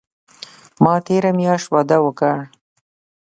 ما تیره میاشت واده اوکړ